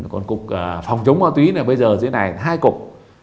còn cục phòng chống ma túy là bây giờ dưới này hai cục